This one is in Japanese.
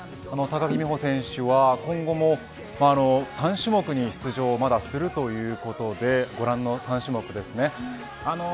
高木美帆選手は、今後も３種目に出場するということでご覧の３種目ですね。